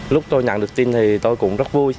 lúc tôi nhận được tin thì tôi cũng rất vui